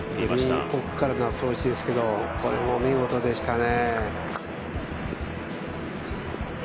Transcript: グリーン奥からのアプローチですけど、これも見事でしたね。